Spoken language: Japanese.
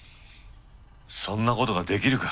そんなことができるか。